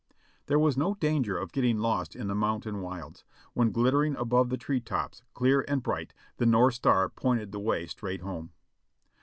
There was no danger of getting lost in the mountain wilds, when glittering above the tree tops, clear and bright, the north star pointed the way straight home.